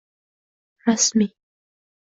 Rasmiy!